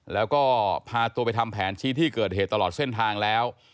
แล้วก็พาตัวไปทำแผนชี้ที่เกิดเหตุตลอดเส้นทางแล้ว